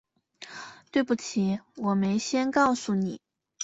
对不起，我没先告诉你